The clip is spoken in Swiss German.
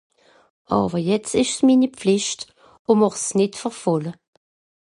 Àwwer jetzt ìsch's mini Pflìcht ùn mächt's nìtt verfähle.